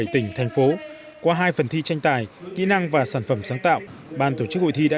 tỉnh thành phố qua hai phần thi tranh tài kỹ năng và sản phẩm sáng tạo ban tổ chức hội thi đã